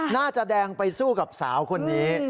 น่าจะแดงไปสู้กับสาวคนนี้